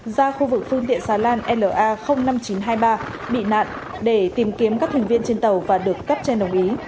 ra khu vực phương tiện xà lan la năm nghìn chín trăm hai mươi ba bị nạn để tìm kiếm các thành viên trên tàu và được cấp trên đồng ý